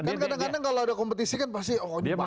kan kadang kadang kalau ada kompetisi kan pasti oh